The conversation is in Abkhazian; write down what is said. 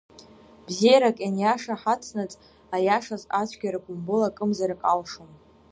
Бзиарак ианиаша ҳацнаҵ, аиашаз, ацәгьара гәымбыл акымзарак алшом.